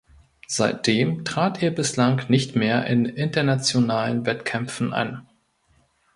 Seitdem trat er bislang nicht mehr in internationalen Wettkämpfen an.